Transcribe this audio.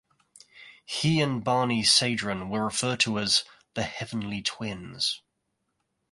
He and Barney Sedran were referred to as "The Heavenly Twins".